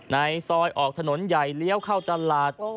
ในซอยออกถนนใหญ่เลี้ยวเข้าตลาด